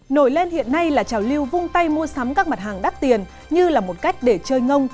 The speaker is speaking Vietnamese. nổi lên hiện nay là trào lưu vung tay mua sắm các mặt hàng đắt tiền như là một cách để chơi ngông